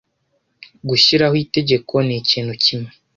Gushyiraho itegeko ni ikintu kimwe,